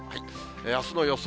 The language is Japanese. あすの予想